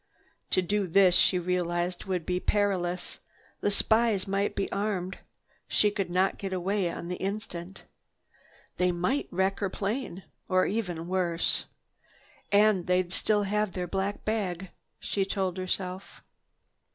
To do this she realized would be perilous. The spies might be armed. She could not get away on the instant. They might wreck her plane, or even worse. "And they'd still have their black bag," she told herself.